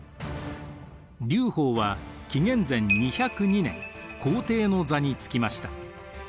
劉邦は紀元前２０２年皇帝の座につきました。